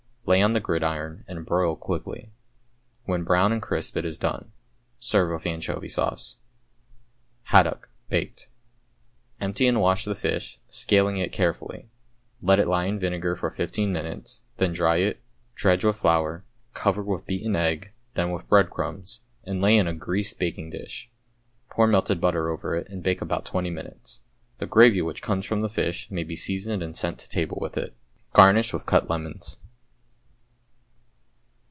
Lay on the gridiron and broil quickly. When brown and crisp it is done. Serve with anchovy sauce. =Haddock, Baked.= Empty and wash the fish, scaling it carefully; let it lie in vinegar for fifteen minutes, then dry it, dredge with flour, cover with beaten egg, then with breadcrumbs, and lay in a greased baking dish. Pour melted butter over it, and bake about twenty minutes. The gravy which comes from the fish may be seasoned and sent to table with it. Garnish with cut lemons.